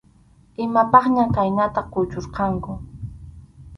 Imapaqñam khaynata kuchurqanku.